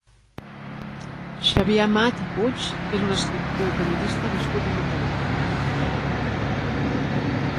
Xavier Amat i Puig és un escriptor i periodista nascut a Mataró.